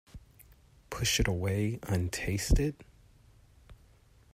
Push it away untasted?